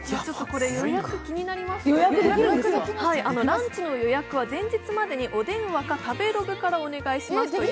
ランチの予約はお電話か食べログでお願いします。